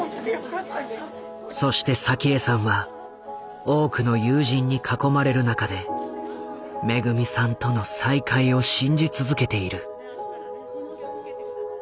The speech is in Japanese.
そして早紀江さんは多くの友人に囲まれる中でめぐみさんとの再会を信じ続けている。